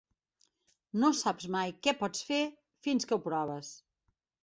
No saps mai què pots fer fins que ho proves.